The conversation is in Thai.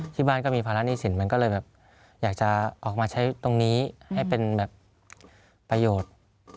ที่บ้านก็มีภาระหนี้สินมันก็เลยแบบอยากจะออกมาใช้ตรงนี้ให้เป็นแบบประโยชน์